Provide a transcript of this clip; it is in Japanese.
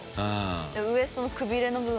ウエストのくびれの部分。